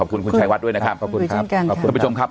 ขอบคุณคุณชายวัดด้วยนะครับขอบคุณครับขอบคุณผู้ชมครับ